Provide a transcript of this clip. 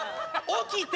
起きて。